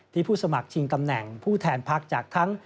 ผู้สมัครชิงตำแหน่งผู้แทนพักจากทั้ง